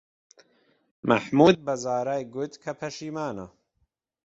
مەحموود بە زارای گوت کە پەشیمانە.